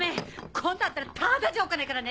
今度会ったらただじゃおかないからね！